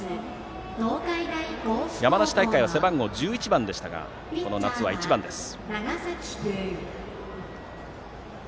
山梨大会は背番号１１番でしたがこの夏は１番です。